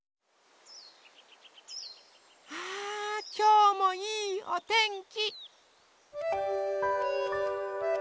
あきょうもいいおてんき。